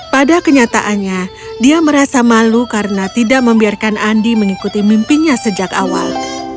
pada kenyataannya dia merasa malu karena tidak membiarkan andi mengikuti mimpinya sejak awal